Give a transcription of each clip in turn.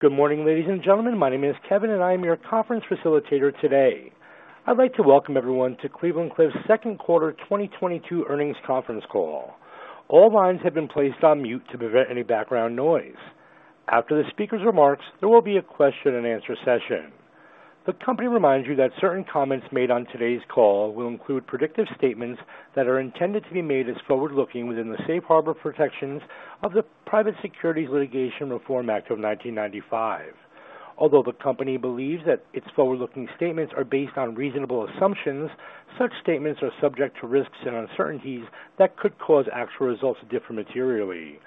Good morning, ladies and gentlemen. My name is Kevin, and I am your conference facilitator today. I'd like to welcome everyone to Cleveland-Cliffs second quarter 2022 earnings conference call. All lines have been placed on mute to prevent any background noise. After the speaker's remarks, there will be a question-and-answer session. The company reminds you that certain comments made on today's call will include predictive statements that are intended to be made as forward-looking within the safe harbor protections of the Private Securities Litigation Reform Act of 1995. Although the company believes that its forward-looking statements are based on reasonable assumptions, such statements are subject to risks and uncertainties that could cause actual results to differ materially.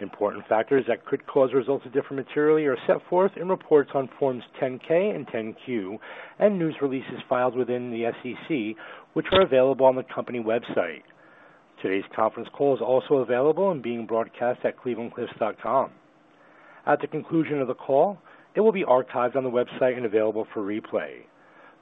Important factors that could cause results to differ materially are set forth in reports on Forms 10-K and 10-Q and news releases filed with the SEC, which are available on the company website. Today's conference call is also available and being broadcast at clevelandcliffs.com. At the conclusion of the call, it will be archived on the website and available for replay.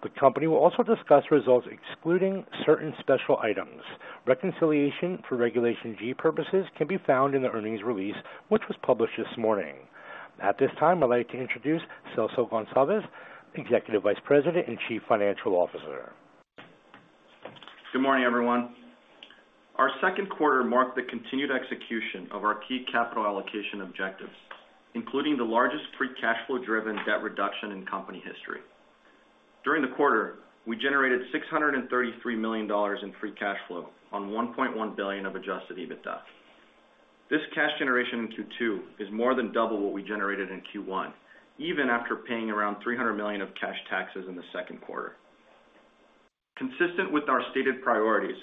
The company will also discuss results excluding certain special items. Reconciliation for Regulation G purposes can be found in the earnings release, which was published this morning. At this time, I'd like to introduce Celso Goncalves, Executive Vice President and Chief Financial Officer. Good morning, everyone. Our second quarter marked the continued execution of our key capital allocation objectives, including the largest free cash flow-driven debt reduction in company history. During the quarter, we generated $633 million in free cash flow on $1.1 billion of Adjusted EBITDA. This cash generation in Q2 is more than double what we generated in Q1, even after paying around $300 million of cash taxes in the second quarter. Consistent with our stated priorities,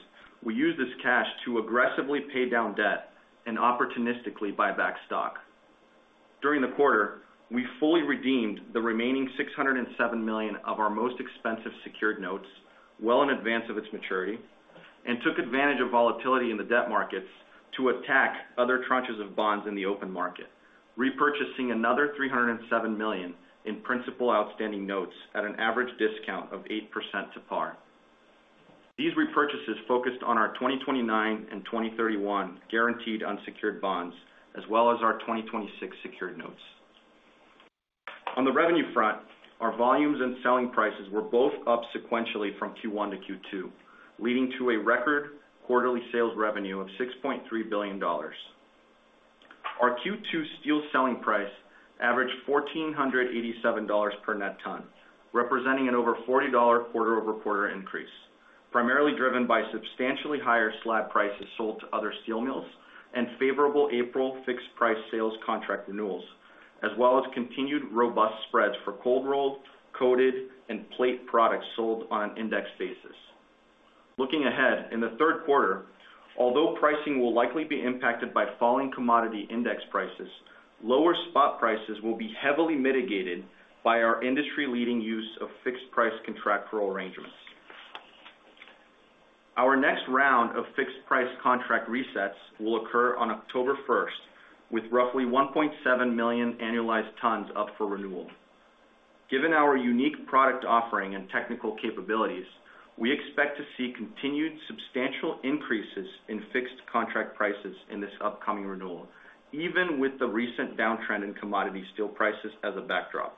we use this cash to aggressively pay down debt and opportunistically buy back stock. During the quarter, we fully redeemed the remaining $607 million of our most expensive secured notes well in advance of its maturity and took advantage of volatility in the debt markets to attack other tranches of bonds in the open market, repurchasing another $307 million in principal outstanding notes at an average discount of 8% to par. These repurchases focused on our 2029 and 2031 guaranteed unsecured bonds, as well as our 2026 secured notes. On the revenue front, our volumes and selling prices were both up sequentially from Q1 to Q2, leading to a record quarterly sales revenue of $6.3 billion. Our Q2 steel selling price averaged $1,487 per net ton, representing an over $40 quarter-over-quarter increase, primarily driven by substantially higher slab prices sold to other steel mills and favorable April fixed price sales contract renewals, as well as continued robust spreads for cold rolled, coated, and plate products sold on an index basis. Looking ahead, in the third quarter, although pricing will likely be impacted by falling commodity index prices, lower spot prices will be heavily mitigated by our industry-leading use of fixed price contractual arrangements. Our next round of fixed price contract resets will occur on October 1st, with roughly 1.7 million annualized tons up for renewal. Given our unique product offering and technical capabilities, we expect to see continued substantial increases in fixed contract prices in this upcoming renewal, even with the recent downtrend in commodity steel prices as a backdrop.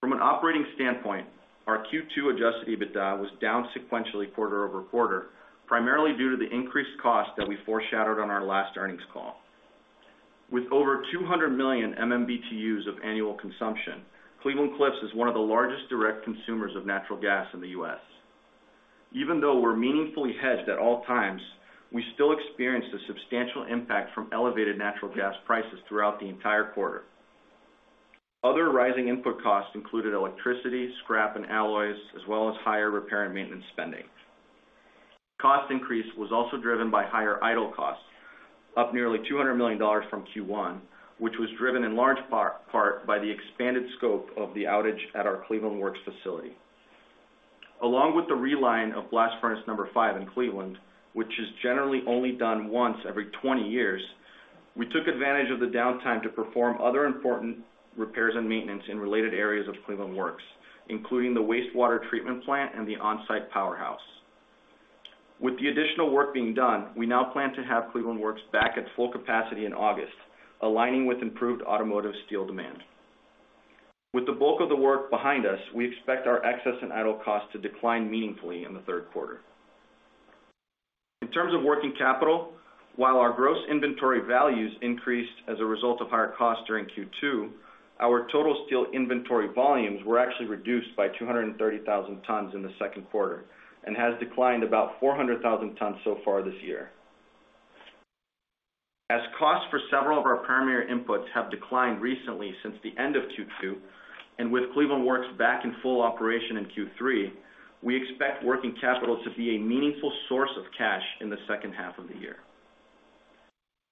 From an operating standpoint, our Q2 Adjusted EBITDA was down sequentially quarter-over-quarter, primarily due to the increased cost that we foreshadowed on our last earnings call. With over 200 million MMBtus of annual consumption, Cleveland-Cliffs is one of the largest direct consumers of natural gas in the U.S. Even though we're meaningfully hedged at all times, we still experienced a substantial impact from elevated natural gas prices throughout the entire quarter. Other rising input costs included electricity, scrap, and alloys, as well as higher repair and maintenance spending. Cost increase was also driven by higher idle costs, up nearly $200 million from Q1, which was driven in large part by the expanded scope of the outage at our Cleveland Works facility. Along with the reline of Blast Furnace Number Five in Cleveland, which is generally only done once every 20 years, we took advantage of the downtime to perform other important repairs and maintenance in related areas of Cleveland Works, including the wastewater treatment plant and the on-site powerhouse. With the additional work being done, we now plan to have Cleveland Works back at full capacity in August, aligning with improved automotive steel demand. With the bulk of the work behind us, we expect our excess and idle costs to decline meaningfully in the third quarter. In terms of working capital, while our gross inventory values increased as a result of higher costs during Q2, our total steel inventory volumes were actually reduced by 230,000 tons in the second quarter and has declined about 400,000 tons so far this year. As costs for several of our primary inputs have declined recently since the end of Q2, and with Cleveland Works back in full operation in Q3, we expect working capital to be a meaningful source of cash in the second half of the year.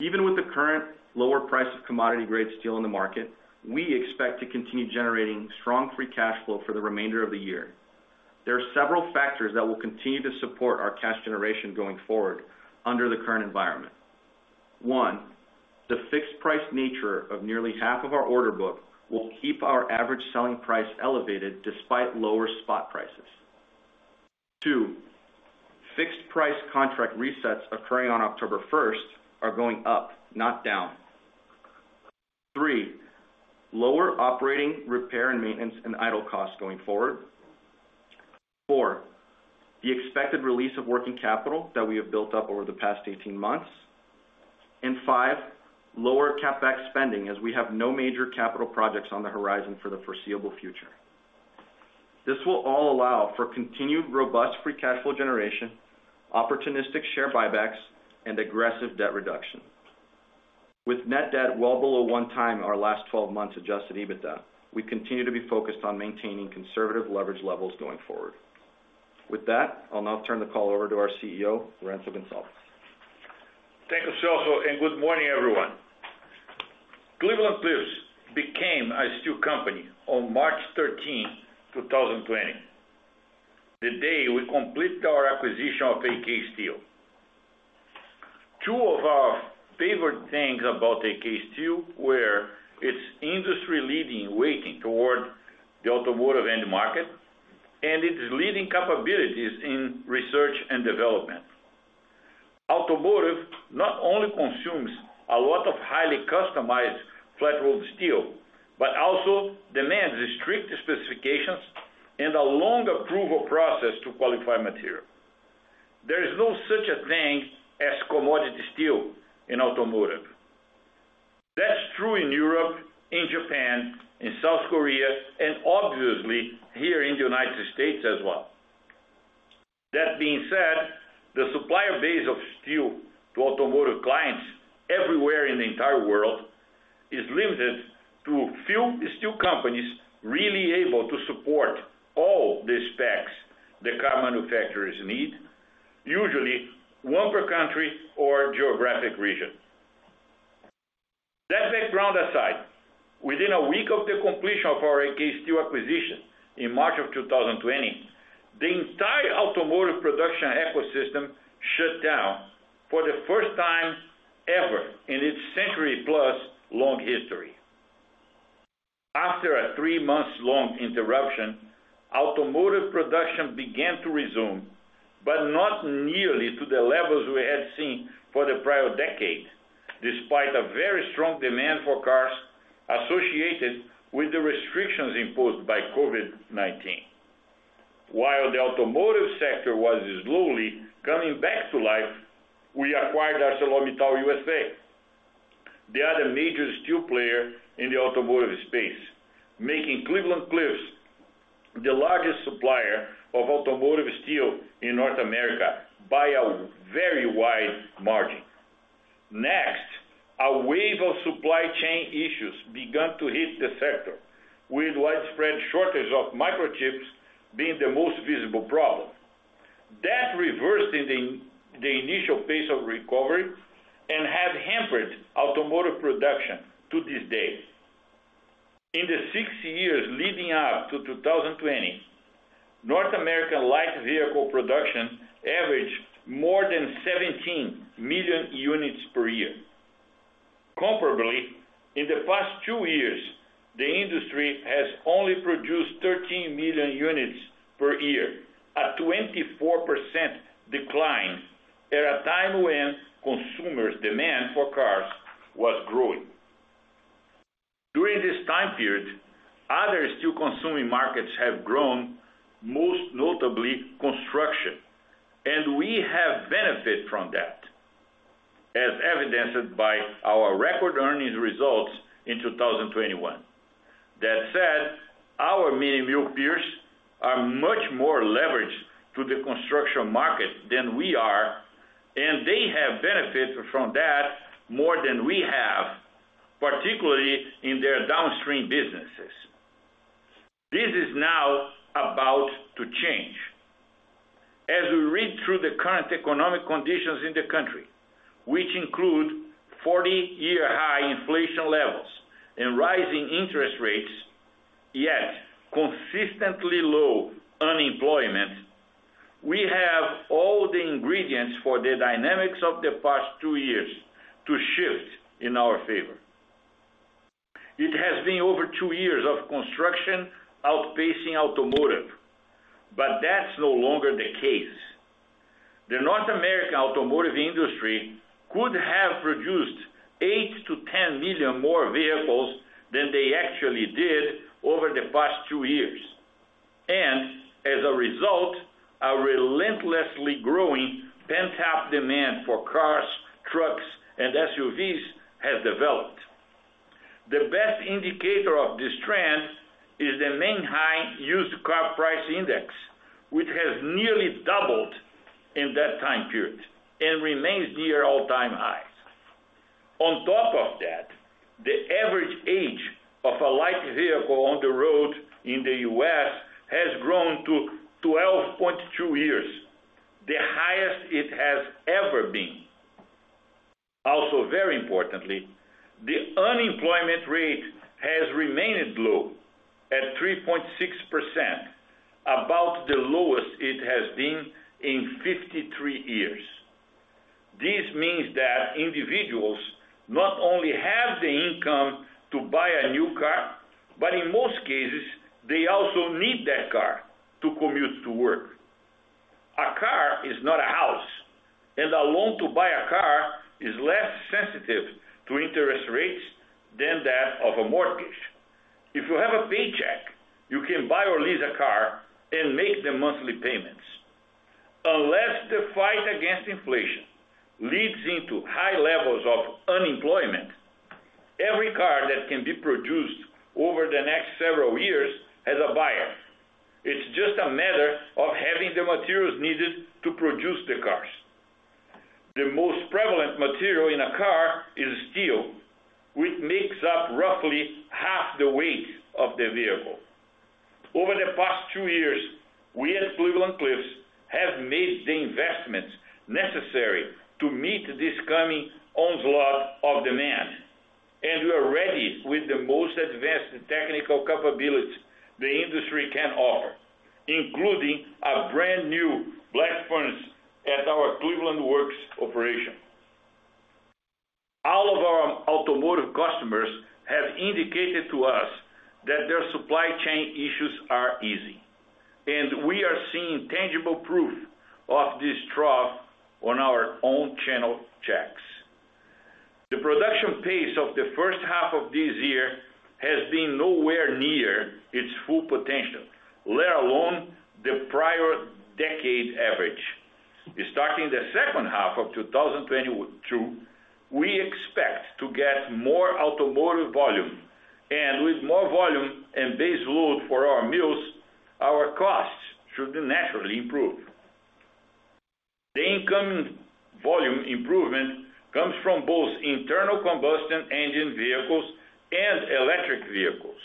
Even with the current lower price of commodity-grade steel in the market, we expect to continue generating strong free cash flow for the remainder of the year. There are several factors that will continue to support our cash generation going forward under the current environment. One, the fixed price nature of nearly half of our order book will keep our average selling price elevated despite lower spot prices. Two, fixed price contract resets occurring on October 1st are going up, not down. Three, lower operating repair and maintenance and idle costs going forward. Four, the expected release of working capital that we have built up over the past 18 months. Five, lower CapEx spending as we have no major capital projects on the horizon for the foreseeable future. This will all allow for continued robust free cash flow generation, opportunistic share buybacks, and aggressive debt reduction. With net debt well below 1x our last 12 months Adjusted EBITDA, we continue to be focused on maintaining conservative leverage levels going forward. With that, I'll now turn the call over to our CEO, Lourenco Goncalves. Thank you, Celso, and good morning, everyone. Cleveland-Cliffs became a steel company on March 13, 2020, the day we completed our acquisition of AK Steel. Two of our favorite things about AK Steel were its industry-leading weighting toward the automotive end market and its leading capabilities in research and development. Automotive not only consumes a lot of highly customized flat-rolled steel, but also demands strict specifications and a long approval process to qualify material. There is no such thing as commodity steel in automotive. That's true in Europe, in Japan, in South Korea, and obviously here in the United States as well. That being said, the supplier base of steel to automotive clients everywhere in the entire world is limited to a few steel companies really able to support all the specs the car manufacturers need, usually one per country or geographic region. That background aside, within a week of the completion of our AK Steel acquisition in March 2020, the entire automotive production ecosystem shut down for the first time ever in its century-plus-long history. After a three-month-long interruption, automotive production began to resume, but not nearly to the levels we had seen for the prior decade, despite a very strong demand for cars associated with the restrictions imposed by COVID-19. While the automotive sector was slowly coming back to life, we acquired ArcelorMittal U.S.A, the other major steel player in the automotive space, making Cleveland-Cliffs the largest supplier of automotive steel in North America by a very wide margin. Next, a wave of supply chain issues began to hit the sector, with widespread shortage of microchips being the most visible problem. That reversed in the initial pace of recovery and have hampered automotive production to this day. In the six years leading up to 2020, North American light vehicle production averaged more than 17 million units per year. Comparably, in the past two years, the industry has only produced 13 million units per year, a 24% decline at a time when consumers demand for cars was growing. During this time period, other steel consuming markets have grown, most notably construction, and we have benefited from that, as evidenced by our record earnings results in 2021. That said, our mini mill peers are much more leveraged to the construction market than we are, and they have benefited from that more than we have, particularly in their downstream businesses. This is now about to change. As we read through the current economic conditions in the country, which include 40-year high inflation levels and rising interest rates, yet consistently low unemployment, we have all the ingredients for the dynamics of the past two years to shift in our favor. It has been over two years of construction outpacing automotive, but that's no longer the case. The North American automotive industry could have produced 8-10 million more vehicles than they actually did over the past two years. As a result, a relentlessly growing pent-up demand for cars, trucks, and SUVs has developed. The best indicator of this trend is the Manheim Used Vehicle Value Index, which has nearly doubled in that time period and remains near all-time highs. On top of that, the average age of a light vehicle on the road in the U.S. has grown to 12.2 years, the highest it has ever been. Also, very importantly, the unemployment rate has remained low at 3.6%, about the lowest it has been in 53 years. This means that individuals not only have the income to buy a new car, but in most cases, they also need that car to commute to work. A car is not a house, and a loan to buy a car is less sensitive to interest rates than that of a mortgage. If you have a paycheck, you can buy or lease a car and make the monthly payments. Unless the fight against inflation leads into high levels of unemployment, every car that can be produced over the next several years has a buyer. It's just a matter of having the materials needed to produce the cars. The most prevalent material in a car is steel, which makes up roughly half the weight of the vehicle. Over the past two years, we at Cleveland-Cliffs have made the investments necessary to meet this coming onslaught of demand, and we are ready with the most advanced technical capability the industry can offer, including a brand-new blast furnace at our Cleveland Works operation. All of our automotive customers have indicated to us that their supply chain issues are easing, and we are seeing tangible proof of this through our own channel checks. The production pace of the first half of this year has been nowhere near its full potential, let alone the prior decade average. Starting the second half of 2022, we expect to get more automotive volume. With more volume and base load for our mills, our costs should naturally improve. The incoming volume improvement comes from both internal combustion engine vehicles and electric vehicles.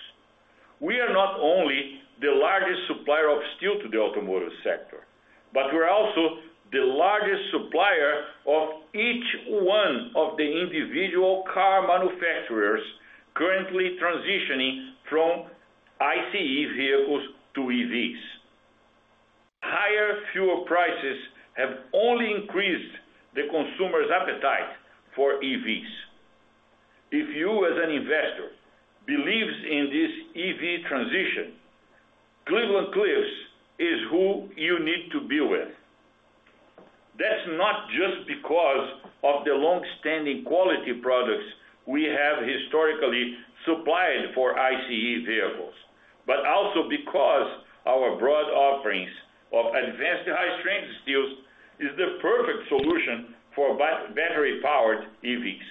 We are not only the largest supplier of steel to the automotive sector, but we're also the largest supplier of each one of the individual car manufacturers currently transitioning from ICE vehicles to EVs. Higher fuel prices have only increased the consumer's appetite for EVs. If you as an investor believes in this EV transition, Cleveland-Cliffs is who you need to be with. That's not just because of the long-standing quality products we have historically supplied for ICE vehicles, but also because our broad offerings of advanced high-strength steels is the perfect solution for battery-powered EVs.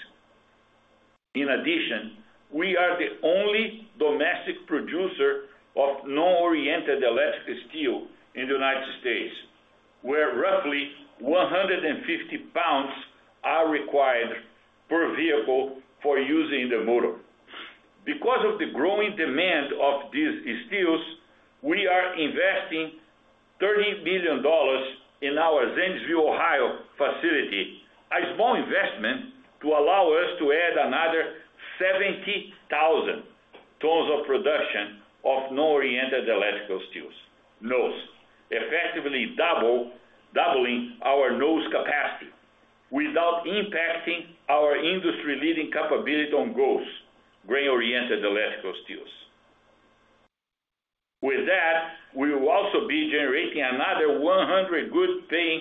In addition, we are the only domestic producer of non-oriented electrical steel in the United States, where roughly 150 pounds are required per vehicle for use in the motor. Because of the growing demand of these steels, we are investing $30 million in our Zanesville, Ohio facility, a small investment to allow us to add another 70,000 tons of production of non-oriented electrical steels, NOES, effectively doubling our NOES capacity without impacting our industry-leading capability on GOES, grain-oriented electrical steels. With that, we will also be generating another 100 good-paying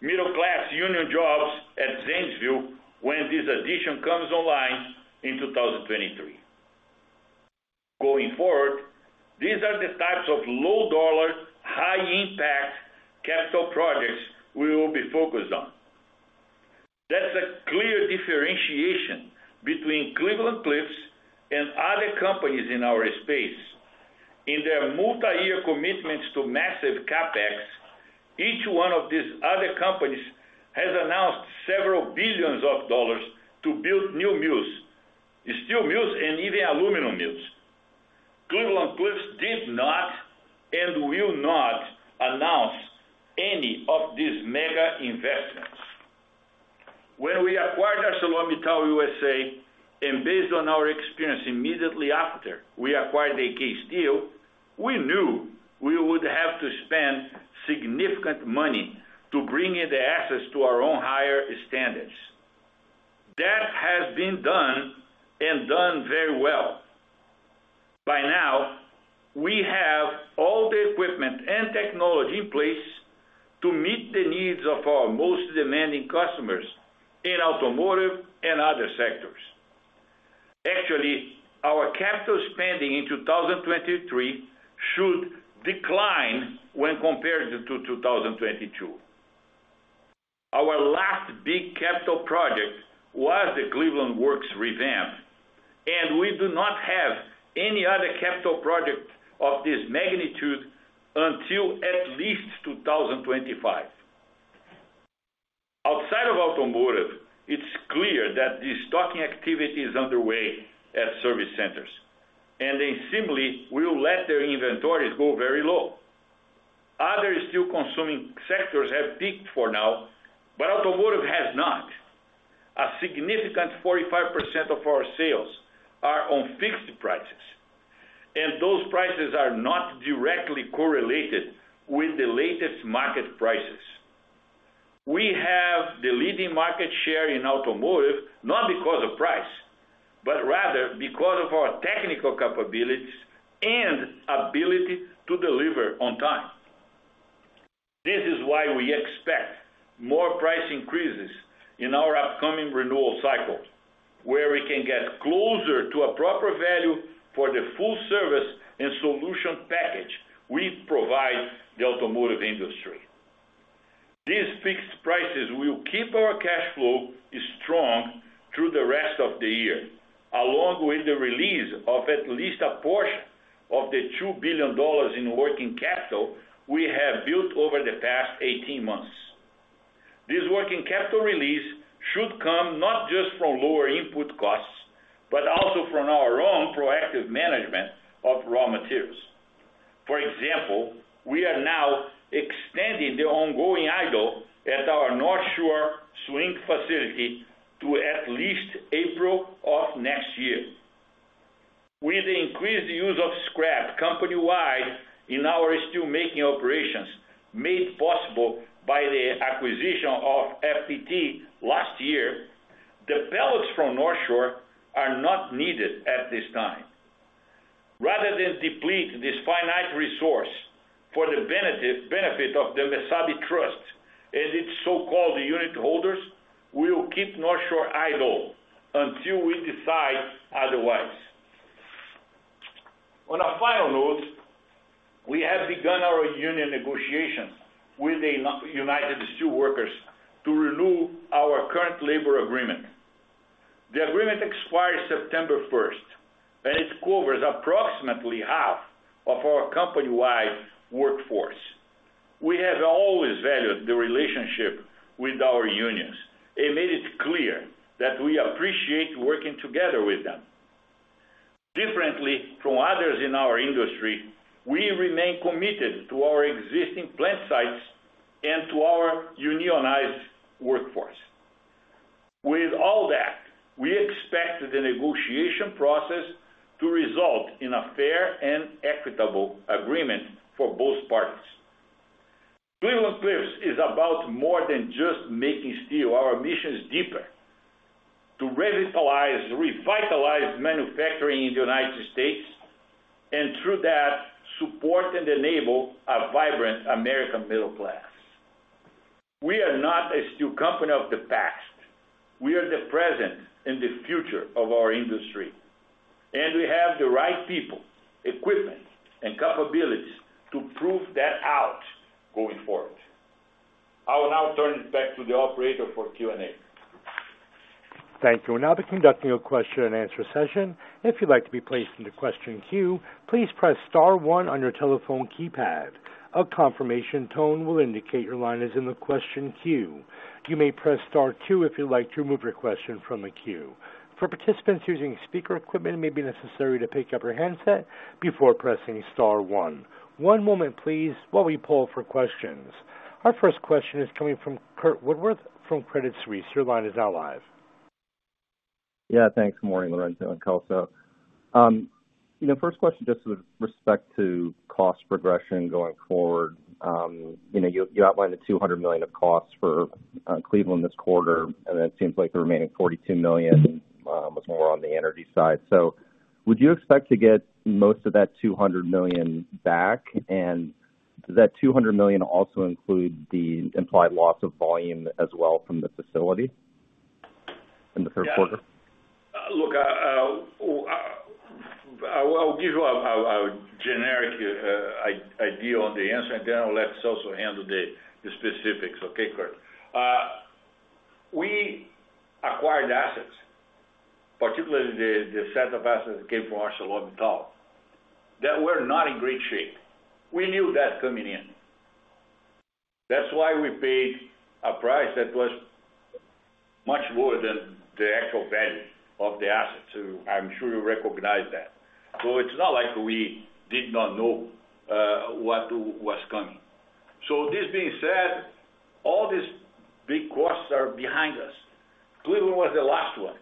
middle-class union jobs at Zanesville when this addition comes online in 2023. Going forward, these are the types of low-dollar, high-impact capital projects we will be focused on. That's a clear differentiation between Cleveland-Cliffs and other companies in our space. In their multi-year commitments to massive CapEx, each one of these other companies has announced several billion of dollars to build new mills, steel mills, and even aluminum mills. Cleveland-Cliffs did not and will not announce any of these mega-investments. When we acquired ArcelorMittal U.S.A, and based on our experience immediately after we acquired AK Steel, we knew we would have to spend significant money to bring in the assets to our own higher standards. That has been done and done very well. By now, we have all the equipment and technology in place to meet the needs of our most demanding customers in automotive and other sectors. Actually, our capital spending in 2023 should decline when compared to 2022. Our last big capital project was the Cleveland Works revamp, and we do not have any other capital project of this magnitude until at least 2025. Outside of automotive, it's clear that the stocking activity is underway at service centers, and they simply will let their inventories go very low. Other steel-consuming sectors have peaked for now, but automotive has not. A significant 45% of our sales are on fixed prices, and those prices are not directly correlated with the latest market prices. We have the leading market share in automotive, not because of price, but rather because of our technical capabilities and ability to deliver on time. This is why we expect more price increases in our upcoming renewal cycle, where we can get closer to a proper value for the full service and solution package we provide the automotive industry. These fixed prices will keep our cash flow strong through the rest of the year, along with the release of at least a portion of the $2 billion in working capital we have built over the past 18 months. This working capital release should come not just from lower input costs, but also from our own proactive management of raw materials. For example, we are now extending the ongoing idle at our North Shore swing facility to at least April of next year. With the increased use of scrap company-wide in our steelmaking operations made possible by the acquisition of FPT last year, the pellets from North Shore are not needed at this time. Rather than deplete this finite resource for the benefit of the Mesabi Trust and its so-called unit holders, we will keep North Shore idle until we decide otherwise. On a final note, we have begun our union negotiations with the United Steelworkers to renew our current labor agreement. The agreement expires September 1st, and it covers approximately half of our company-wide workforce. We have always valued the relationship with our unions and made it clear that we appreciate working together with them. Differently from others in our industry, we remain committed to our existing plant sites and to our unionized workforce. With all that, we expect the negotiation process to result in a fair and equitable agreement for both parties. Cleveland-Cliffs is about more than just making steel. Our mission is deeper. To revitalize manufacturing in the United States, and through that, support and enable a vibrant American middle class. We are not a steel company of the past. We are the present and the future of our industry, and we have the right people, equipment, and capabilities to prove that out going forward. I will now turn it back to the operator for Q&A. Thank you. We're now conducting a question-and-answer session. If you'd like to be placed in the question queue, please press star one on your telephone keypad. A confirmation tone will indicate your line is in the question queue. You may press star two if you'd like to remove your question from the queue. For participants using speaker equipment, it may be necessary to pick up your handset before pressing star one. One moment, please, while we poll for questions. Our first question is coming from Curt Woodworth from Credit Suisse. Your line is now live. Yeah, thanks. Morning, Lourenco and Celso. You know, first question just with respect to cost progression going forward. You know, you outlined the $200 million of costs for Cleveland this quarter, and it seems like the remaining $42 million was more on the energy side. Would you expect to get most of that $200 million back? And does that $200 million also include the implied loss of volume as well from the facility in the third quarter? Look, I will give you a generic idea on the answer, and then I'll let Celso handle the specifics. Okay, Kurt? We acquired assets, particularly the set of assets that came from ArcelorMittal, that were not in great shape. We knew that coming in. That's why we paid a price that was much more than the actual value of the assets. I'm sure you recognize that. This being said, all these big costs are behind us. Cleveland was the last one.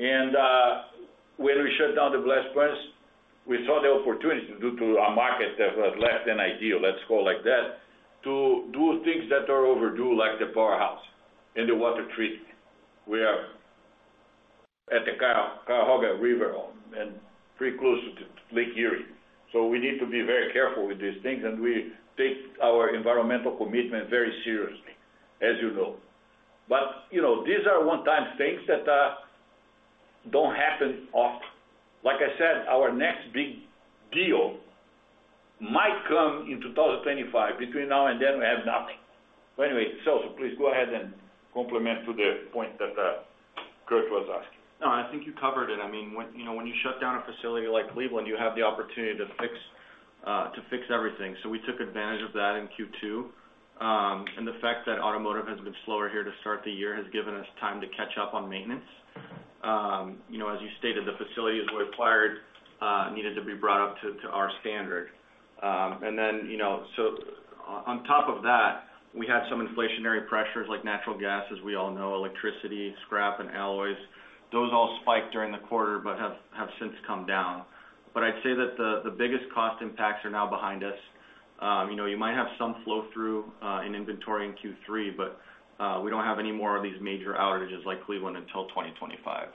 When we shut down the blast furnace, we saw the opportunity due to a market that was less than ideal, let's call like that, to do things that are overdue, like the powerhouse and the water treatment. We are at the Cuyahoga River and pretty close to Lake Erie, so we need to be very careful with these things, and we take our environmental commitment very seriously, as you know. You know, these are one-time things that don't happen often. Like I said, our next big deal might come in 2025. Between now and then, we have nothing. Anyway, Celso, please go ahead and comment on the point that Curt was asking. No, I think you covered it. I mean, when you know when you shut down a facility like Cleveland, you have the opportunity to fix everything. We took advantage of that in Q2. The fact that automotive has been slower here to start the year has given us time to catch up on maintenance. You know, as you stated, the facilities we acquired needed to be brought up to our standard. Then, you know, on top of that, we had some inflationary pressures like natural gas, as we all know, electricity, scrap and alloys. Those all spiked during the quarter, but have since come down. I'd say that the biggest cost impacts are now behind us. You know, you might have some flow-through in inventory in Q3, but we don't have any more of these major outages like Cleveland until 2025.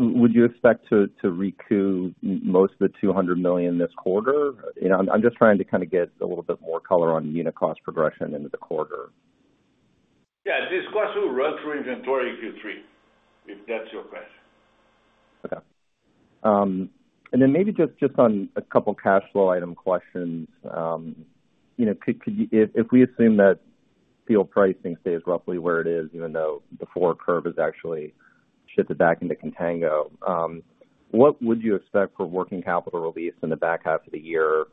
Would you expect to recoup most of the $200 million this quarter? You know, I'm just trying to kind of get a little bit more color on unit cost progression into the quarter. Yeah. This cost will run through inventory Q3, if that's your question. Okay. Maybe just on a couple of cash flow item questions. You know, could you if we assume that steel pricing stays roughly where it is, even though the forward curve is actually shifted back into contango, what would you expect for working capital release in the back half of the year?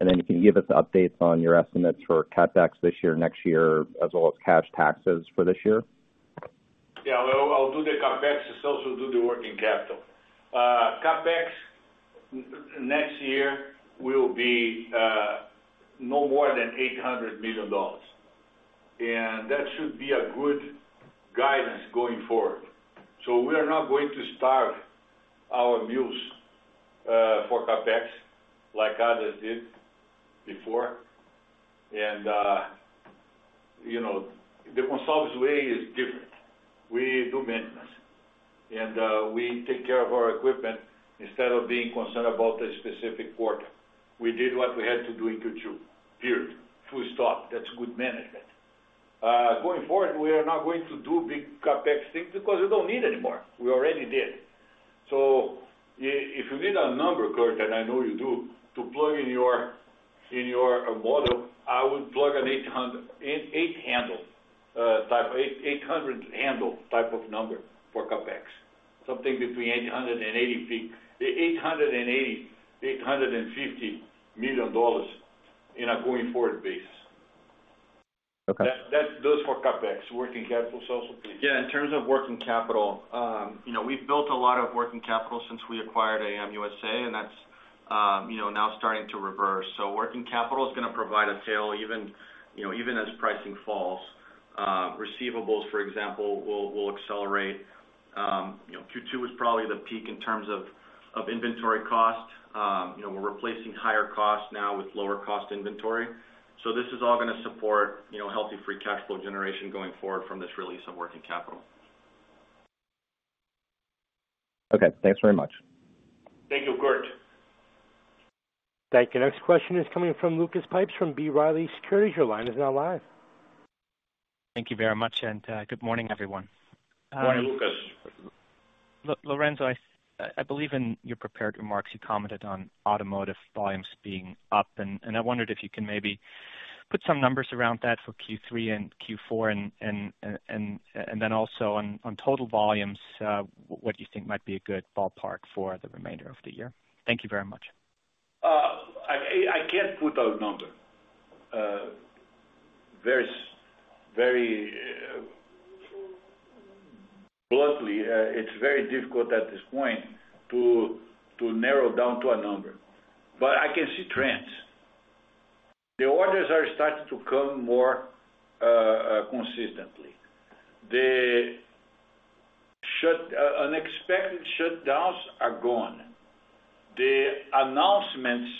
And then if you can give us updates on your estimates for CapEx this year, next year, as well as cash taxes for this year. Yeah. Well, I'll do the CapEx, Celso will do the working capital. CapEx next year will be no more than $800 million. That should be a good guidance going forward. We are not going to starve our mules for CapEx, like others did before. You know, the Goncalves way is different. We do maintenance, and we take care of our equipment instead of being concerned about a specific quarter. We did what we had to do in Q2. Period. Full stop. That's good management. Going forward, we are not going to do big CapEx things because we don't need anymore. We already did. If you need a number, Curt, and I know you do, to plug in your model, I would plug an $800. An 800 handle type of number for CapEx, something between $800 million and $850 million on a going-forward basis. Okay. That's for CapEx. Working capital, Celso, please. Yeah. In terms of working capital, you know, we've built a lot of working capital since we acquired ArcelorMittal U.S.A, and that's, you know, now starting to reverse. Working capital is gonna provide a tailwind even, you know, even as pricing falls. Receivables, for example, will accelerate. You know, Q2 is probably the peak in terms of inventory cost. You know, we're replacing higher costs now with lower cost inventory. This is all gonna support, you know, healthy free cash flow generation going forward from this release of working capital. Okay, thanks very much. Thank you, Curt. Thank you. Next question is coming from Lucas Pipes from B. Riley Securities. Your line is now live. Thank you very much, and good morning, everyone. Good morning, Lucas. Lourenco, I believe in your prepared remarks, you commented on automotive volumes being up, and then also on total volumes, what you think might be a good ballpark for the remainder of the year. Thank you very much. I can't put a number. Bluntly, it's very difficult at this point to narrow down to a number. I can see trends. The orders are starting to come more consistently. Unexpected shutdowns are gone. The announcements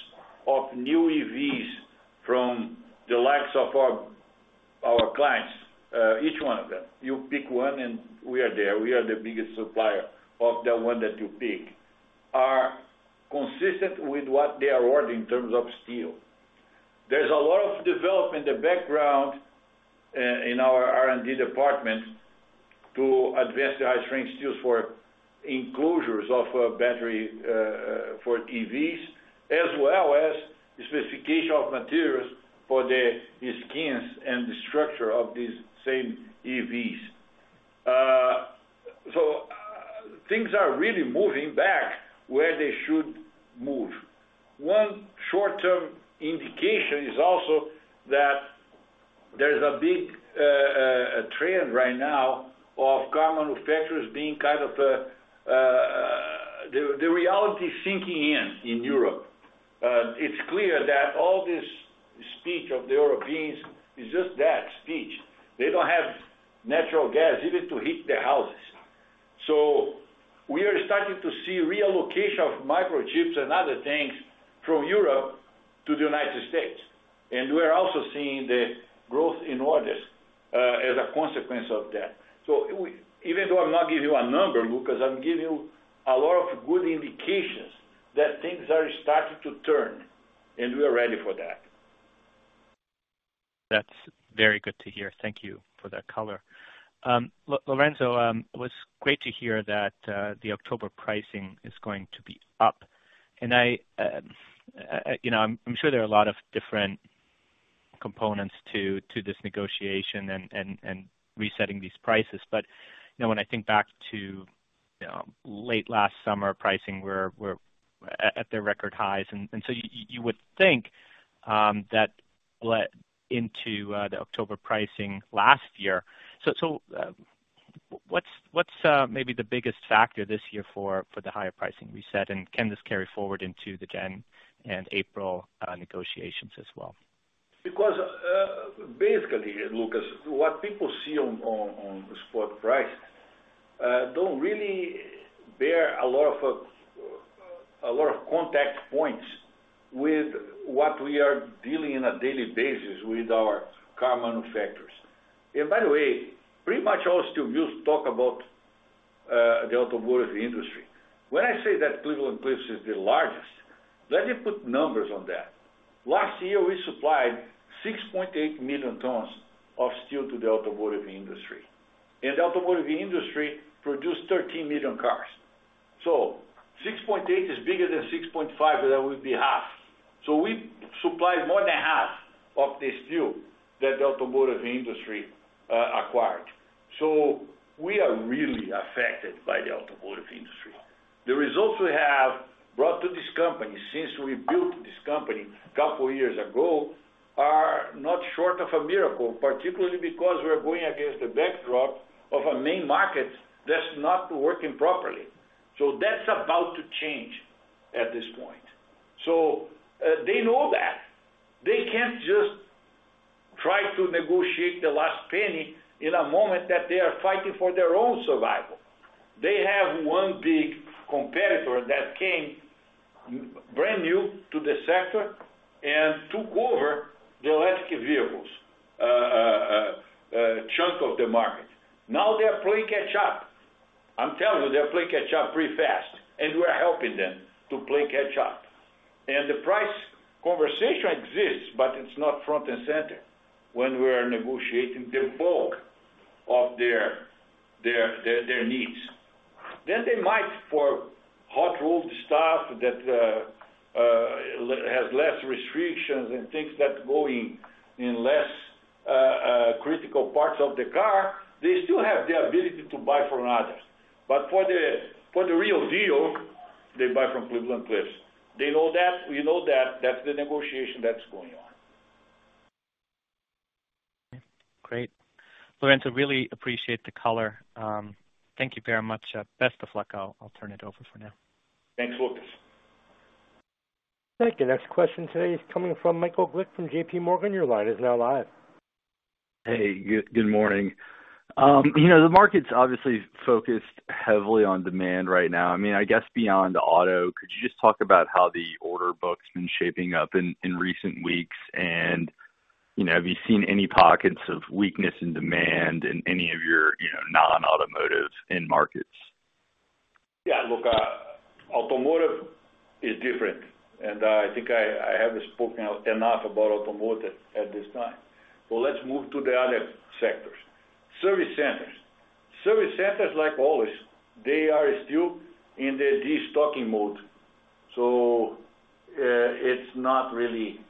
of new EVs from the likes of our clients, each one of them, you pick one, and we are there. We are the biggest supplier of the one that you pick, are consistent with what they are ordering in terms of steel. There's a lot of development, the background, in our R&D department to advance the high-strength steels for enclosures of battery for EVs, as well as the specification of materials for the skins and the structure of these same EVs. Things are really moving back where they should move. One short-term indication is also that there's a big trend right now of car manufacturers being kind of the reality sinking in in Europe. It's clear that all this speech of the Europeans is just that, speech. They don't have natural gas even to heat their houses. We are starting to see reallocation of microchips and other things from Europe to the United States, and we are also seeing the growth in orders as a consequence of that. Even though I'm not giving you a number, Lucas, I'm giving you a lot of good indications that things are starting to turn, and we are ready for that. That's very good to hear. Thank you for that color. Lourenco, it was great to hear that the October pricing is going to be up. You know, I'm sure there are a lot of different components to this negotiation and resetting these prices. You know, when I think back to late last summer, pricing were at their record highs. You would think that led into the October pricing last year. What's maybe the biggest factor this year for the higher pricing reset? And can this carry forward into the January and April negotiations as well? Because, basically, Lucas, what people see on the spot price don't really bear a lot of contact points with what we are dealing on a daily basis with our car manufacturers. By the way, pretty much all steel mills talk about the automotive industry. When I say that Cleveland-Cliffs is the largest, let me put numbers on that. Last year, we supplied 6.8 million tons of steel to the automotive industry. The automotive industry produced 13 million cars. 6.8 is bigger than 6.5, that would be half. We supplied more than half of the steel that the automotive industry acquired. We are really affected by the automotive industry. The results we have brought to this company since we built this company a couple years ago, are not short of a miracle, particularly because we are going against the backdrop of a main market that's not working properly. That's about to change at this point. They know that. They can't just try to negotiate the last penny in a moment that they are fighting for their own survival. They have one big competitor that came brand new to the sector and took over the electric vehicles chunk of the market. Now they are playing catch up. I'm telling you, they're playing catch up pretty fast, and we're helping them to play catch up. The price conversation exists, but it's not front and center when we are negotiating the bulk of their needs. They might for hot-rolled stuff that has less restrictions and things that's going in less critical parts of the car, they still have the ability to buy from others. For the real deal, they buy from Cleveland-Cliffs. They know that. We know that. That's the negotiation that's going on. Great. Lourenco, really appreciate the color. Thank you very much. Best of luck. I'll turn it over for now. Thanks, Lucas. Thank you. Next question today is coming from Michael Glick from J.P. Morgan. Your line is now live. Hey, good morning. You know, the market's obviously focused heavily on demand right now. I mean, I guess beyond auto, could you just talk about how the order book's been shaping up in recent weeks? You know, have you seen any pockets of weakness in demand in any of your non-automotive end markets? Yeah. Look, automotive is different, and I think I have spoken out enough about automotive at this time. Let's move to the other sectors. Service centers. Service centers, like always, they are still in the destocking mode. It's not really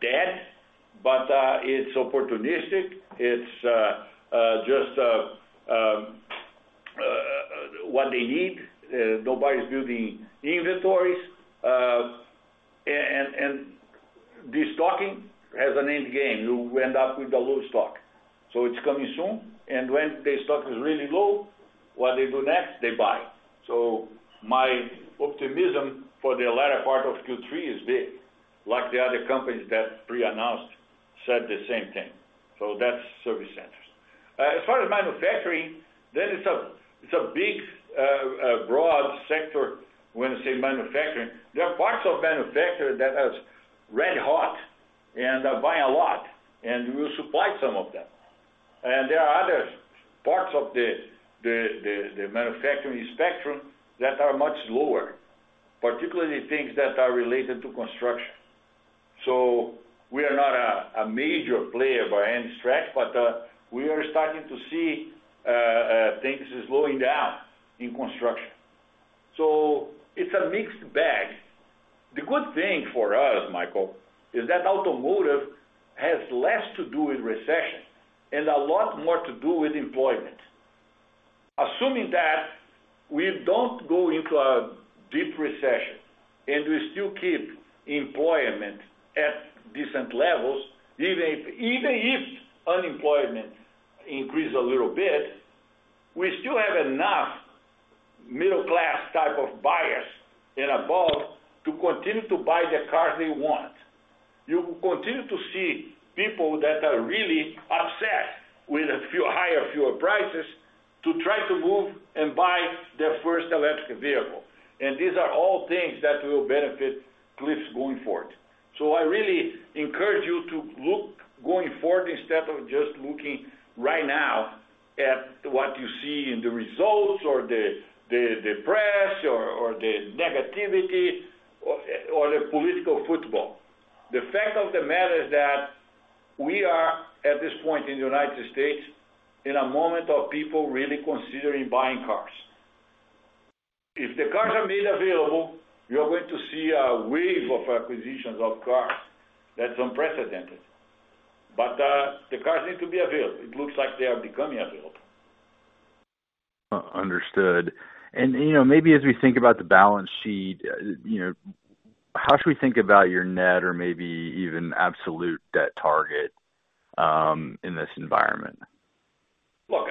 dead, but it's opportunistic. It's just what they need. Nobody's building inventories. And destocking has an end game. You end up with a low stock. It's coming soon, and when the stock is really low, what they do next, they buy. My optimism for the latter part of Q3 is big, like the other companies that pre-announced said the same thing. That's service centers. As far as manufacturing, it's a big broad sector, when I say manufacturing. There are parts of manufacturing that are red hot and are buying a lot, and we will supply some of them. There are other parts of the manufacturing spectrum that are much lower, particularly things that are related to construction. We are not a major player by any stretch, but we are starting to see things slowing down in construction. It's a mixed bag. The good thing for us, Michael, is that automotive has less to do with recession and a lot more to do with employment. Assuming that we don't go into a deep recession, and we still keep employment at decent levels, even if unemployment increases a little bit, we still have enough middle-class type of buyers and above to continue to buy the cars they want. You will continue to see people that are really obsessed with a few higher fuel prices to try to move and buy their first electric vehicle. These are all things that will benefit Cliffs going forward. I really encourage you to look going forward instead of just looking right now at what you see in the results or the press or the negativity or the political football. The fact of the matter is that we are, at this point in the United States, in a moment of people really considering buying cars. If the cars are made available, you are going to see a wave of acquisitions of cars that's unprecedented. The cars need to be available. It looks like they are becoming available. Understood. You know, maybe as we think about the balance sheet, you know, how should we think about your net or maybe even absolute debt target in this environment? Look,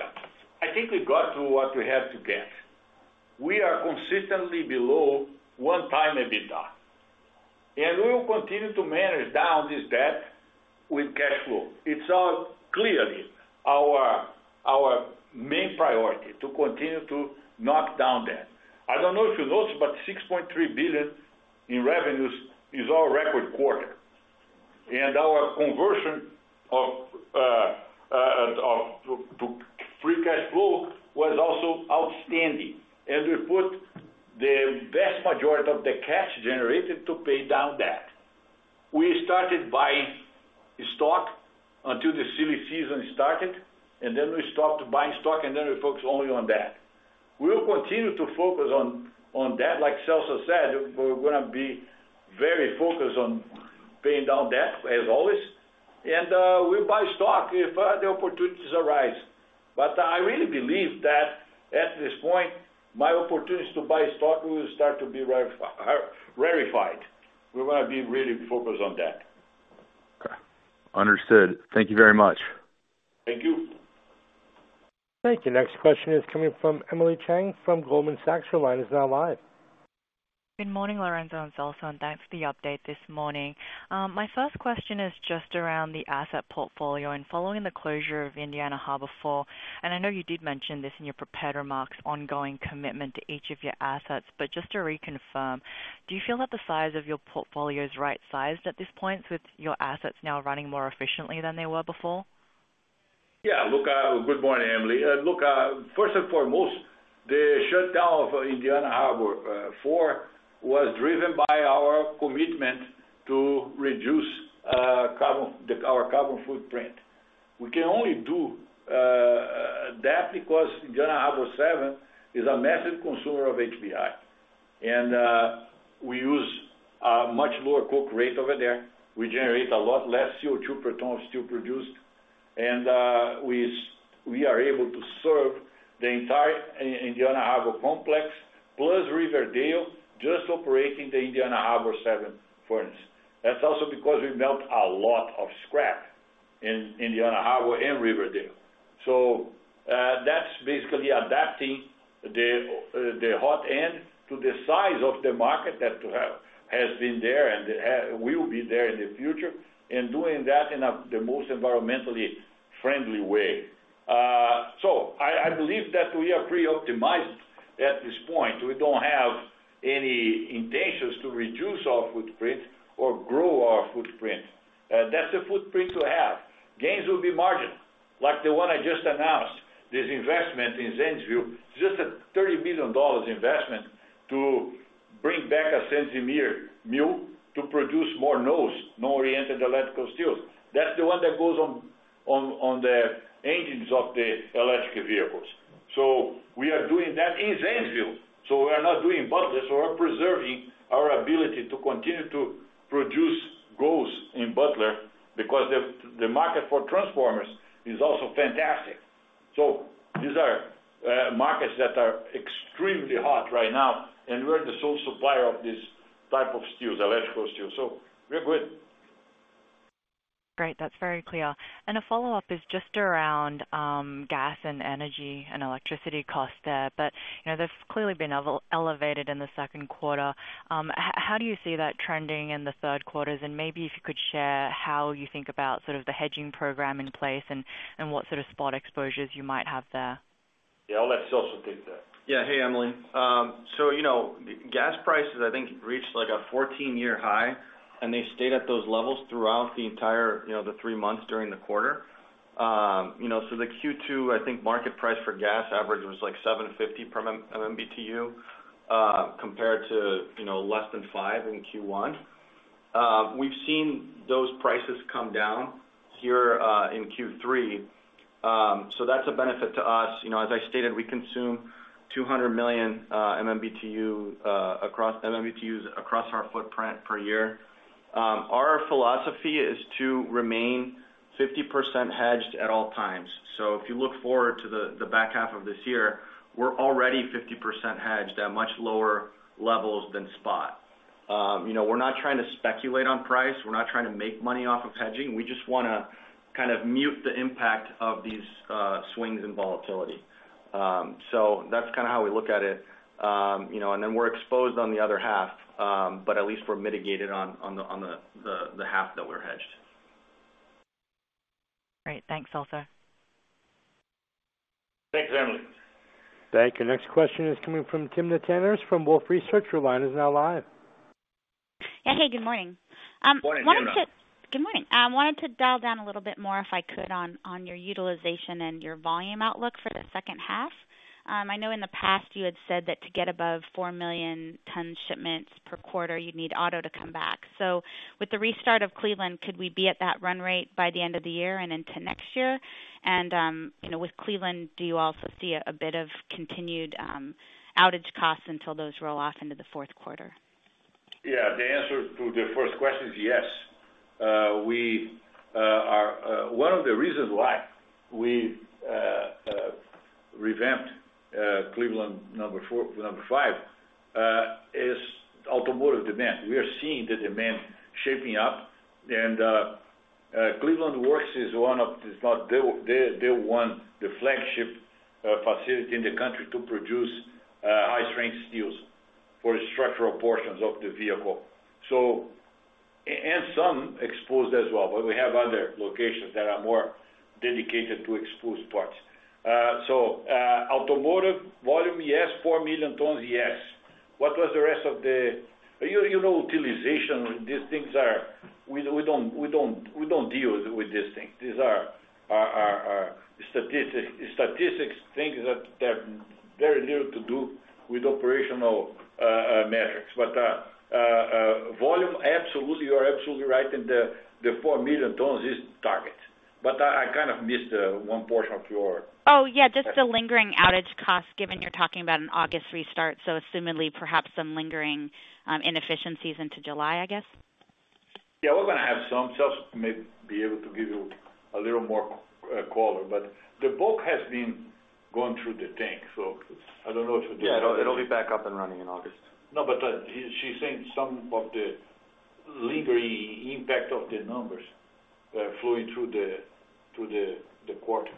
I think we got to what we had to get. We are consistently below 1x EBITDA, and we will continue to manage down this debt with cash flow. It's clearly our main priority to continue to knock down debt. I don't know if you noticed, but $6.3 billion in revenues is our record quarter. Our conversion to free cash flow was also outstanding. We put the vast majority of the cash generated to pay down debt. We started buying stock until the silly season started, and then we stopped buying stock, and then we focused only on debt. We'll continue to focus on debt. Like Celso said, we're gonna be very focused on paying down debt as always. We'll buy stock if the opportunities arise. I really believe that at this point, my opportunities to buy stock will start to be rarified. We're gonna be really focused on debt. Okay. Understood. Thank you very much. Thank you. Thank you. Next question is coming from Emily Chang from Goldman Sachs. Your line is now live. Good morning, Lourenco and Celso, and thanks for the update this morning. My first question is just around the asset portfolio and following the closure of Indiana Harbor #4, and I know you did mention this in your prepared remarks, ongoing commitment to each of your assets. Just to reconfirm, do you feel that the size of your portfolio is right-sized at this point with your assets now running more efficiently than they were before? Yeah. Look, good morning, Emily. First and foremost, the shutdown of Indiana Harbor #4 was driven by our commitment to reduce our carbon footprint. We can only do that because Indiana Harbor #7 is a massive consumer of HBI. We use a much lower coke rate over there. We generate a lot less CO2 per ton of steel produced. We are able to serve the entire Indiana Harbor complex, plus Riverdale, just operating the Indiana Harbor #7 furnace. That's also because we melt a lot of scrap in Indiana Harbor and Riverdale. That's basically adapting the hot end to the size of the market that has been there and will be there in the future and doing that in the most environmentally friendly way. I believe that we are pretty optimized at this point. We don't have any intentions to reduce our footprint or grow our footprint. That's the footprint we have. Gains will be margin, like the one I just announced, this investment in Zanesville, just a $30 million investment to bring back a Sendzimir mill to produce more NOES, non-oriented electrical steels. That's the one that goes on the engines of the electric vehicles. We are doing that in Zanesville. We are not doing Butler. We're preserving our ability to continue to produce growth in Butler because the market for transformers is also fantastic. These are markets that are extremely hot right now, and we're the sole supplier of this type of steels, electrical steels. We're good. Great. That's very clear. A follow-up is just around gas and energy and electricity costs there. You know, they've clearly been elevated in the second quarter. How do you see that trending in the third quarters? Maybe if you could share how you think about sort of the hedging program in place and what sort of spot exposures you might have there. Yeah. I'll let Celso take that. Yeah. Hey, Emily. So you know, gas prices I think reached like a 14-year high, and they stayed at those levels throughout the entire, you know, the three months during the quarter. So the Q2, I think market price for gas average was like $7.50 per MMBtu, compared to, you know, less than $5 in Q1. We've seen those prices come down here, in Q3. So that's a benefit to us. You know, as I stated, we consume 200 million MMBtu across our footprint per year. Our philosophy is to remain 50% hedged at all times. So if you look forward to the back half of this year, we're already 50% hedged at much lower levels than spot. You know, we're not trying to speculate on price. We're not trying to make money off of hedging. We just wanna kind of mute the impact of these swings in volatility. That's kinda how we look at it. You know, and then we're exposed on the other half, but at least we're mitigated on the half that we're hedged. Great. Thanks, Celso. Thanks, Emily. Thank you. Next question is coming from Timna Tanners from Wolfe Research. Your line is now live. Yeah. Hey, good morning. Good morning, Tim. Good morning. I wanted to dial down a little bit more, if I could, on your utilization and your volume outlook for the second half. I know in the past you had said that to get above 4 million tons shipments per quarter, you'd need auto to come back. With the restart of Cleveland, could we be at that run rate by the end of the year and into next year? You know, with Cleveland, do you also see a bit of continued outage costs until those roll off into the fourth quarter? Yeah, the answer to the first question is yes. We are one of the reasons why we revamped Cleveland number five is automotive demand. We are seeing the demand shaping up and Cleveland Works is one of, if not the one, the flagship facility in the country to produce high-strength steels for structural portions of the vehicle. And some exposed as well, but we have other locations that are more dedicated to exposed parts. Automotive volume, yes. 4 million tons, yes. What was the rest of the. You know, utilization, these things are. We don't deal with these things. These are statistics things that they have very little to do with operational metrics. Volume, absolutely, you are absolutely right. The 4 million tons is target. I kind of missed one portion of your- Oh, yeah, just the lingering outage cost, given you're talking about an August restart, so assumedly perhaps some lingering inefficiencies into July, I guess. Yeah, we're gonna have some. Celso may be able to give you a little more color, but the bulk has been gone through the tank, so I don't know if- Yeah, it'll be back up and running in August. She's saying some of the lingering impact of the numbers flowing through the quarter.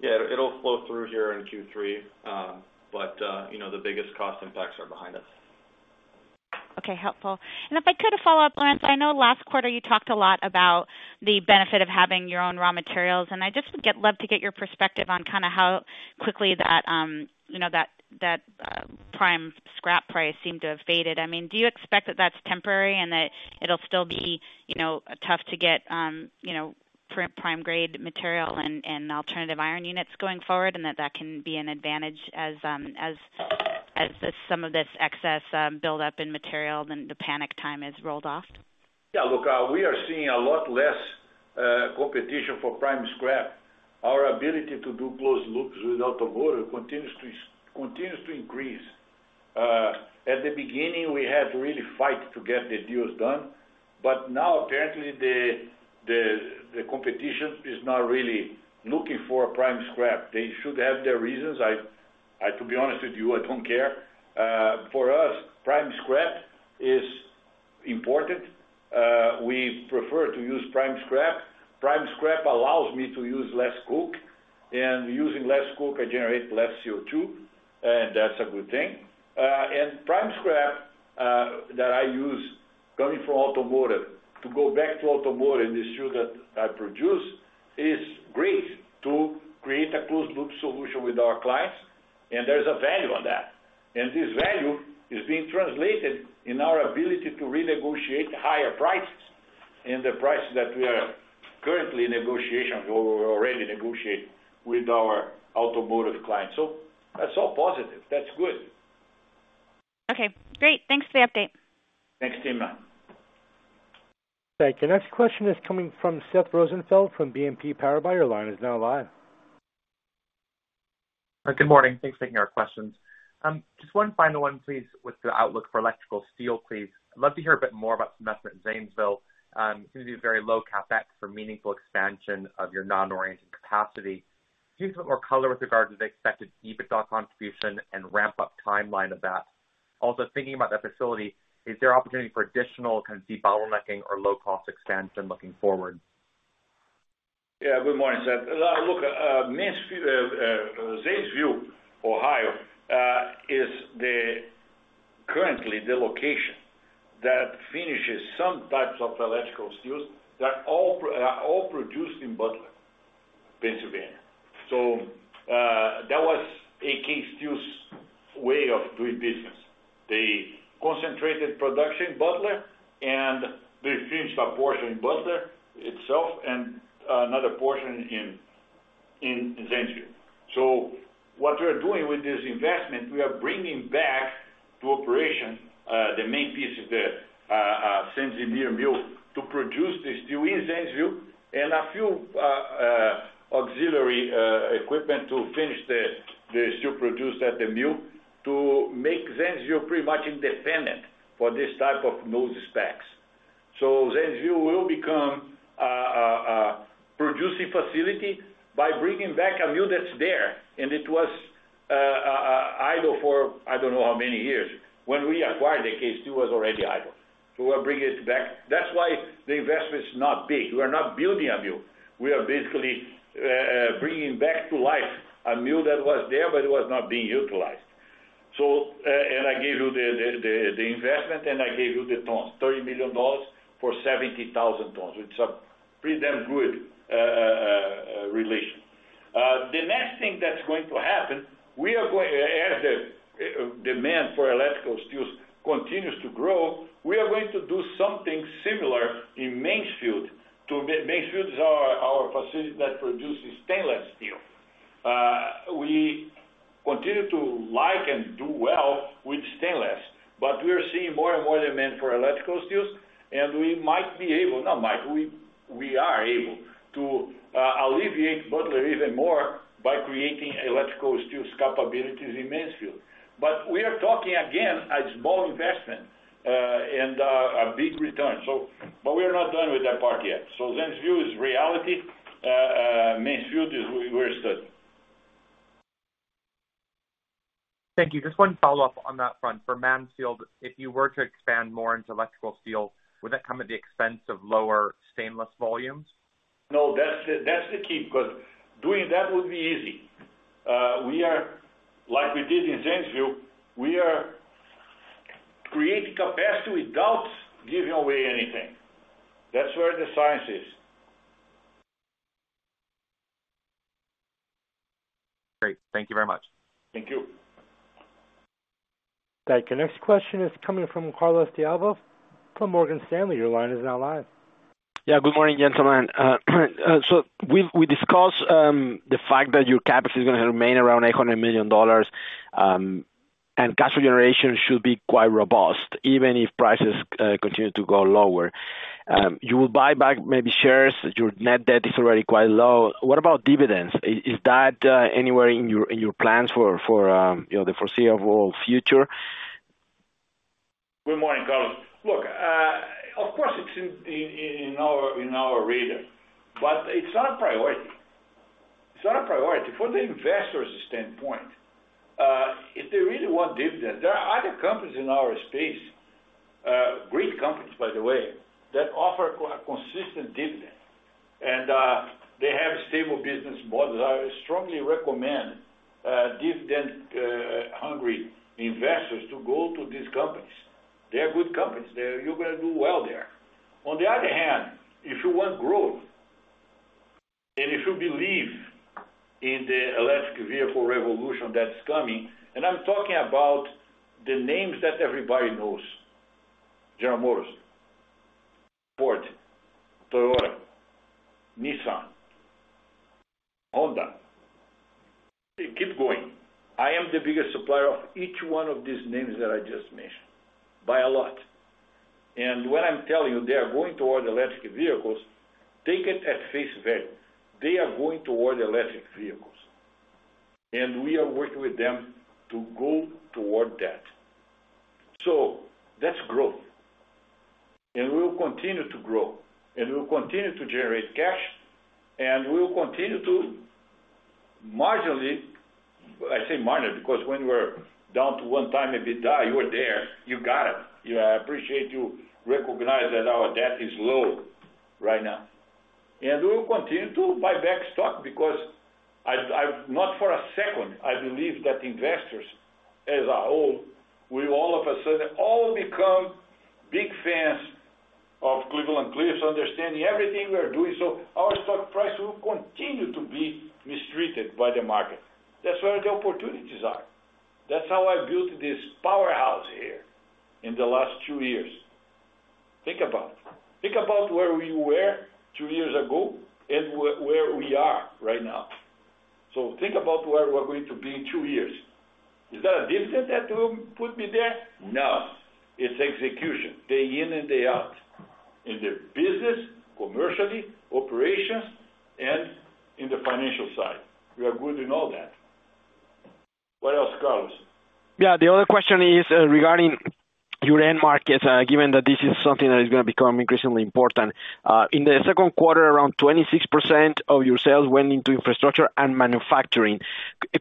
Yeah, it'll flow through here in Q3. You know, the biggest cost impacts are behind us. Okay, helpful. If I could follow up, Lourenco Goncalves, I know last quarter you talked a lot about the benefit of having your own raw materials, and I just love to get your perspective on kind of how quickly that, you know, that prime scrap price seemed to have faded. I mean, do you expect that that's temporary and that it'll still be, you know, tough to get, you know, prime grade material and alternative iron units going forward, and that can be an advantage as some of this excess build up in material and the pandemic time has rolled off? Yeah, look, we are seeing a lot less competition for prime scrap. Our ability to do closed loops with automotive continues to increase. At the beginning, we had to really fight to get the deals done. Now, apparently the competition is not really looking for prime scrap. They should have their reasons. To be honest with you, I don't care. For us, prime scrap is important. We prefer to use prime scrap. Prime scrap allows me to use less coke. Using less coke, I generate less CO2, and that's a good thing. Prime scrap that I use coming from automotive to go back to automotive and the steel that I produce is great to create a closed loop solution with our clients, and there's a value on that. This value is being translated into our ability to renegotiate higher prices and the prices that we are currently in negotiations or already negotiated with our automotive clients. That's all positive. That's good. Okay, great. Thanks for the update. Thanks, Timna Tanners. Thank you. Next question is coming from Seth Rosenfeld from BNP Paribas. Your line is now live. Good morning. Thanks for taking our questions. Just one final one, please, with the outlook for electrical steel, please. I'd love to hear a bit more about some investment in Zanesville. It's gonna be a very low CapEx for meaningful expansion of your non-oriented capacity. Give me a bit more color with regard to the expected EBITDA contribution and ramp up timeline of that. Also, thinking about that facility, is there opportunity for additional kind of de-bottlenecking or low-cost expansion looking forward? Yeah, good morning, Seth. Look, Zanesville, Ohio, is currently the location that finishes some types of electrical steels that are all produced in Butler, Pennsylvania. That was AK Steel's way of doing business. They concentrated production in Butler, and they finished a portion in Butler itself and another portion in Zanesville. What we're doing with this investment, we are bringing back to operation the main piece of the Zanesville mill to produce the steel in Zanesville and a few auxiliary equipment to finish the steel produced at the mill to make Zanesville pretty much independent for this type of NOES specs. Zanesville will become a producing facility by bringing back a mill that's there, and it was idle for I don't know how many years. When we acquired AK Steel, it was already idle. We're bringing it back. That's why the investment is not big. We're not building a mill. We are basically bringing back to life a mill that was there, but it was not being utilized. I gave you the investment and the tons, $30 million for 70,000 tons, which is a pretty damn good relation. The next thing that's going to happen, as the demand for electrical steels continues to grow, we are going to do something similar in Mansfield. Mansfield is our facility that produces stainless steel. We continue to like and do well with stainless, but we are seeing more and more demand for electrical steels, and we are able to alleviate Butler even more by creating electrical steels capabilities in Mansfield. We are talking again a small investment and a big return. We are not done with that part yet. Zanesville is reality, Mansfield is where it stood. Thank you. Just one follow-up on that front. For Mansfield, if you were to expand more into electrical steel, would that come at the expense of lower stainless volumes? No, that's the key, because doing that would be easy. Like we did in Zanesville, we are creating capacity without giving away anything. That's where the science is. Great. Thank you very much. Thank you. Thank you. Next question is coming from Carlos De Alba from Morgan Stanley. Your line is now live. Yeah, good morning, gentlemen. We discussed the fact that your capacity is gonna remain around $800 million, and cash generation should be quite robust, even if prices continue to go lower. You will buy back maybe shares. Your net debt is already quite low. What about dividends? Is that anywhere in your plans for the foreseeable future? Good morning, Carlos. Look, of course, it's in our radar, but it's not a priority. It's not a priority. From the investor's standpoint, if they really want dividend, there are other companies in our space, great companies, by the way, that offer a consistent dividend, and they have stable business models. I strongly recommend dividend hungry investors to go to these companies. They are good companies. You're gonna do well there. On the other hand, if you want growth, and if you believe in the electric vehicle revolution that's coming, and I'm talking about the names that everybody knows, General Motors, Ford, Toyota, Nissan, Honda, you keep going. I am the biggest supplier of each one of these names that I just mentioned, by a lot. When I'm telling you, they are going toward electric vehicles, take it at face value. They are going toward electric vehicles, and we are working with them to go toward that. That's growth, and we will continue to grow, and we will continue to generate cash, and we will continue to marginally, I say marginally, because when we're down to 1x EBITDA, you were there, you got it. Yeah, I appreciate you recognize that our debt is low right now. We will continue to buy back stock because I've not for a second, I believe that investors as a whole, will all of a sudden all become big fans of Cleveland-Cliffs, understanding everything we are doing, so our stock price will continue to be mistreated by the market. That's where the opportunities are. That's how I built this powerhouse here in the last two years. Think about it. Think about where we were two years ago and where we are right now. Think about where we're going to be in two years. Is that a dividend that will put me there? No. It's execution, day in and day out, in the business, commercially, operations, and in the financial side. We are good in all that. What else, Carlos? Yeah. The other question is regarding your end markets, given that this is something that is gonna become increasingly important. In the second quarter, around 26% of your sales went into infrastructure and manufacturing.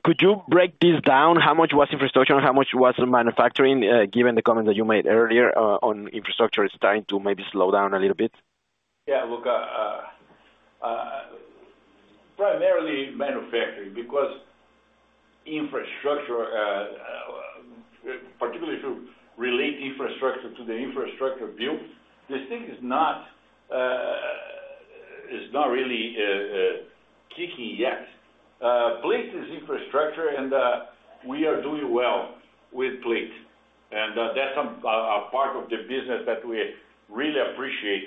Could you break this down, how much was infrastructure and how much was manufacturing, given the comment that you made earlier, on infrastructure is starting to maybe slow down a little bit? Yeah. Look, primarily manufacturing, because infrastructure, particularly to relate infrastructure to the infrastructure build, this thing is not really kicking yet. Plate is infrastructure, and we are doing well with plate, and that's a part of the business that we really appreciate.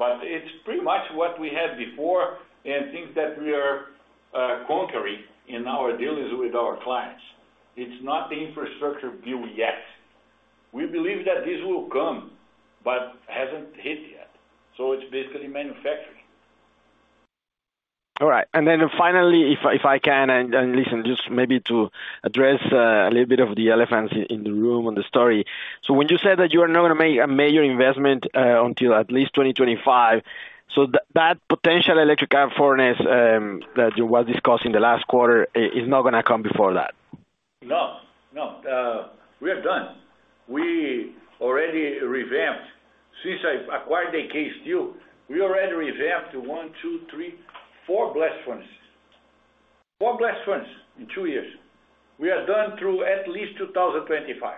It's pretty much what we had before and things that we are conquering in our dealings with our clients. It's not the infrastructure build yet. We believe that this will come, but hasn't hit yet, so it's basically manufacturing. All right. Then finally, if I can, and listen, just maybe to address a little bit of the elephants in the room on the story. When you said that you are not gonna make a major investment until at least 2025, that potential electric arc furnace that you was discussing the last quarter is not gonna come before that? No, no. We are done. We already revamped. Since I acquired AK Steel, we already revamped one, two, three, four blast furnaces. Four blast furnaces in two years. We are done through at least 2025.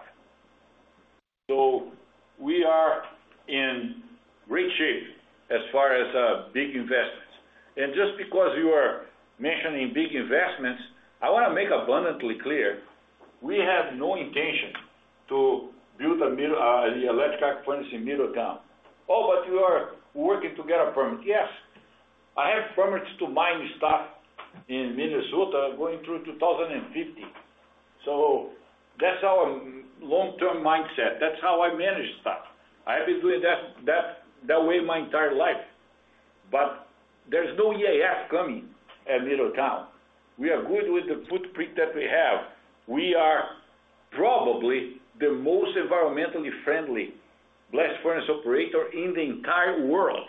We are in great shape as far as big investments. Just because you are mentioning big investments, I wanna make abundantly clear, we have no intention to build a mill, the electric arc furnace in Middletown. Oh, but you are working to get a permit. Yes. I have permits to mine stuff in Minnesota going through 2050. That's our long-term mindset. That's how I manage stuff. I have been doing that way my entire life. There's no EAF coming at Middletown. We are good with the footprint that we have. We are probably the most environmentally friendly blast furnace operator in the entire world.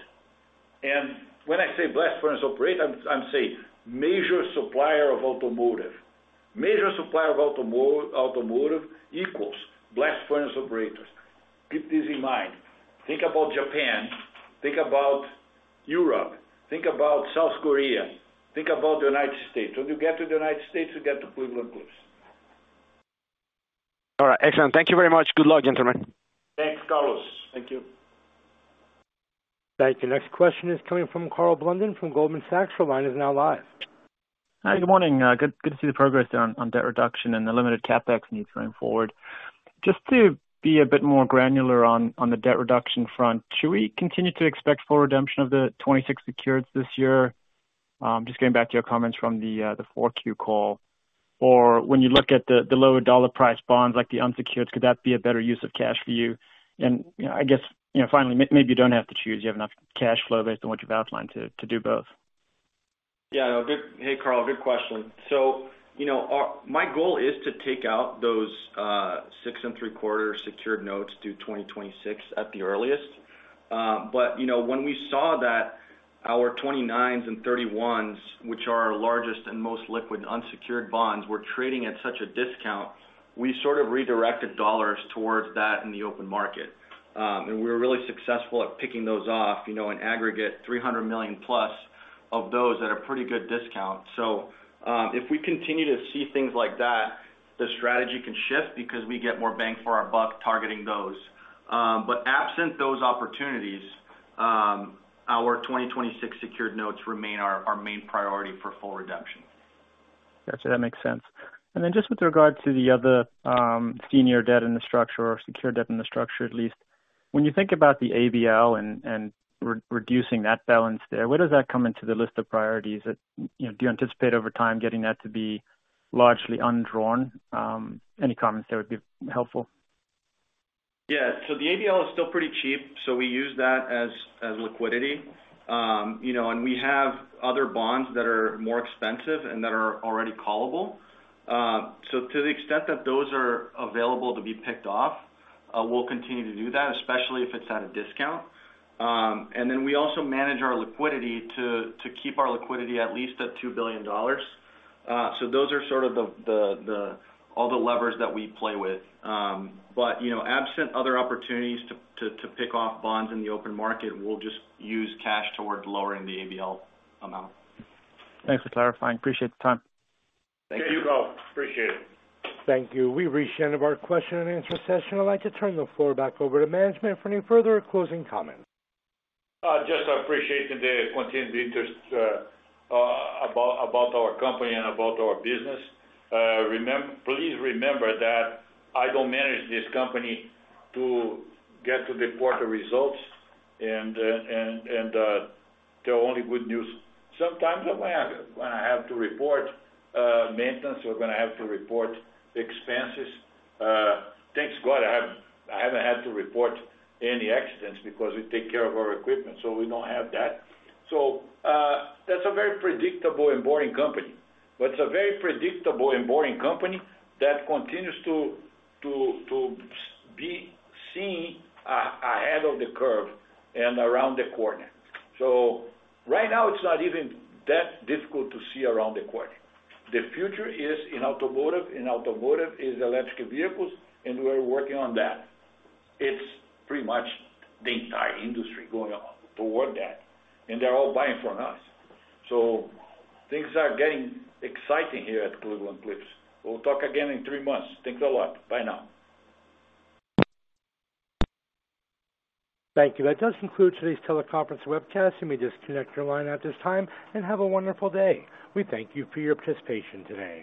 When I say blast furnace operator, I'm saying major supplier of automotive. Major supplier of automotive equals blast furnace operators. Keep this in mind. Think about Japan, think about Europe, think about South Korea, think about the United States. When you get to the United States, you get to Cleveland-Cliffs. All right. Excellent. Thank you very much. Good luck, gentlemen. Thanks, Carlos. Thank you. Thank you. Next question is coming from Karl Blunden from Goldman Sachs. Your line is now live. Hi, good morning. Good to see the progress on debt reduction and the limited CapEx going forward. Just to be a bit more granular on the debt reduction front, should we continue to expect full redemption of the 2026 secures this year? Just getting back to your comments from the Q4 call. Or when you look at the lower dollar price bonds like the unsecured, could that be a better use of cash for you? You know, I guess, you know, finally, maybe you don't have to choose, you have enough cash flow based on what you've outlined to do both. Hey, Karl, good question. My goal is to take out those 6.75 secured notes due 2026 at the earliest. You know, when we saw that our 2029s and 2031s, which are our largest and most liquid unsecured bonds, were trading at such a discount, we sort of redirected dollars towards that in the open market. We were really successful at picking those off, you know, in aggregate $300 million plus of those at a pretty good discount. If we continue to see things like that, the strategy can shift because we get more bang for our buck targeting those. Absent those opportunities, our 2026 secured notes remain our main priority for full redemption. Got you. That makes sense. Then just with regard to the other, senior debt in the structure or secured debt in the structure, at least, when you think about the ABL and re-reducing that balance there, where does that come into the list of priorities that, you know, do you anticipate over time getting that to be largely undrawn? Any comments there would be helpful. Yeah. The ABL is still pretty cheap, so we use that as liquidity. You know, we have other bonds that are more expensive and that are already callable. To the extent that those are available to be picked off, we'll continue to do that, especially if it's at a discount. We also manage our liquidity to keep our liquidity at least at $2 billion. Those are sort of the all the levers that we play with. You know, absent other opportunities to pick off bonds in the open market, we'll just use cash towards lowering the ABL amount. Thanks for clarifying. Appreciate the time. Thank you. Thank you, Carlos. Appreciate it. Thank you. We've reached the end of our question and answer session. I'd like to turn the floor back over to management for any further closing comments. Just appreciating the continued interest about our company and about our business. Please remember that I don't manage this company to get to report the results and tell only good news. Sometimes I'm gonna have to report maintenance. We're gonna have to report expenses. Thank God, I haven't had to report any accidents because we take care of our equipment, so we don't have that. That's a very predictable and boring company. It's a very predictable and boring company that continues to be seen ahead of the curve and around the corner. Right now, it's not even that difficult to see around the corner. The future is in automotive, in automotive is electric vehicles, and we're working on that. It's pretty much the entire industry going on toward that, and they're all buying from us. Things are getting exciting here at Cleveland-Cliffs. We'll talk again in three months. Thanks a lot. Bye now. Thank you. That does conclude today's teleconference webcast. You may disconnect your line at this time, and have a wonderful day. We thank you for your participation today.